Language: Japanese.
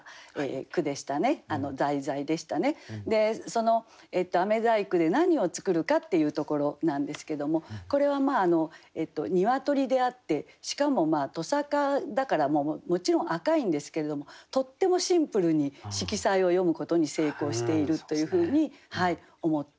その細工で何を作るかっていうところなんですけどもこれは鶏であってしかも鶏冠だからもちろん赤いんですけれどもとってもシンプルに色彩を詠むことに成功しているというふうに思って。